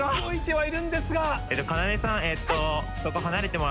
はい！